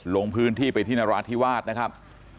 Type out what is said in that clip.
ลงพื้นที่ไปที่นราธิวาสนะครับ